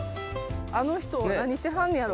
あの人何してはんのやろ。